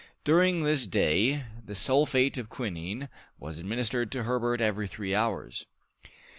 During this day the sulphate of quinine was administered to Herbert every three hours.